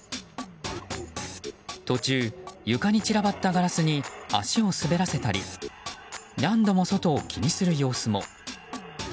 途中、床に散らばったガラスに足を滑らせたり何度も外を気にする様子も。